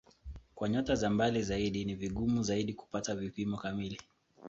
Kwa nyota za mbali zaidi ni vigumu zaidi kupata vipimo kamili.